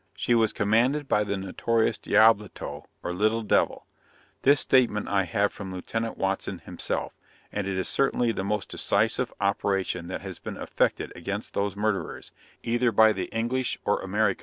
She was commanded by the notorious Diableto or Little Devil. This statement I have from Lieut. Watson himself, and it is certainly the most decisive operation that has been effected against those murderers, either by the English or American force."